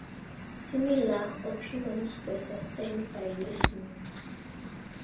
Similar opinions were sustained by Lisseanu.